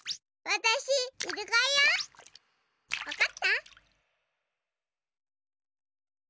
わかった？